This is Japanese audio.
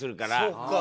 そっか！